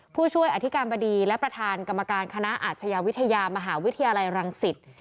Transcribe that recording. ผู้ช่วยอธิการบดีและประธานกรรมการคณะอาชญาวิทยามหาวิทยาลัยรังสิต